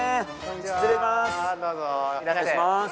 失礼します